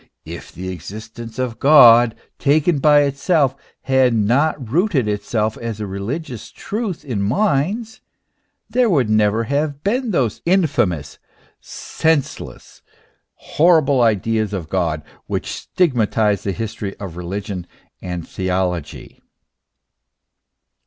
If the exist ence of God, taken by itself, had not rooted itself as a religious truth in minds, there would never have been those infamous, senseless, horrible ideas of God which stigmatize the history of religion and theology.